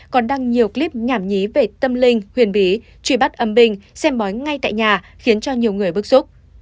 còn đăng nhiều clip nhảm nhí về tâm linh huyền bí truy bắt âm bình xem bói ngay tại nhà khiến cho nhiều người bức xúc